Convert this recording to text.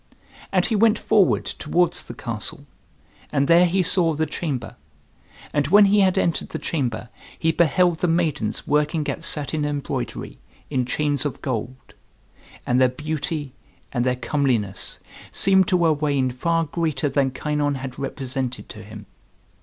And he went forward towards the castle, and there he saw the chamber; and when he had entered the chamber, he beheld the maidens working at satin embroidery, in chains of gold. And their beauty and their comeliness seemed to Owain far greater than Kynon had represented to him.